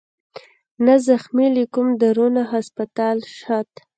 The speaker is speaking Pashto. نه زخمى له کوم دارو نه هسپتال شت